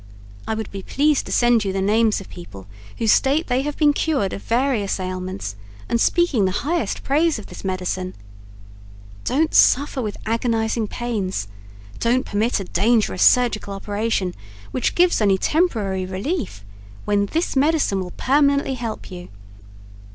I would be pleased to send you the names of people who state they have been cured of various aliments and speaking the highest praise of this medicine. Don't suffer with agonizing pains don't permit a dangerous surgical operation, which gives only temporary relief, when this medicine will permanently help you.